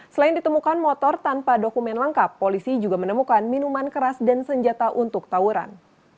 selain ditemukan motor tanpa dokumen lengkap polisi juga menemukan minuman keras dan senjata untuk tawuran